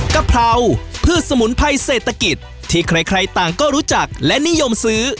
กะเพราพืชสมุนไพรเศรษฐกิจที่ใครต่างก็รู้จักและนิยมซื้อ